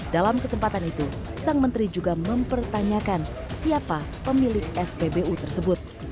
dalam kesempatan itu sang menteri juga mempertanyakan siapa pemilik spbu tersebut